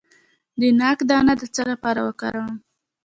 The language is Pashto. د ناک دانه د څه لپاره وکاروم؟